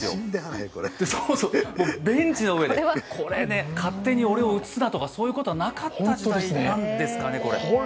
ベンチの上で、これね、勝手に俺を映すなとか、そういうことはなかった時代なんですかね。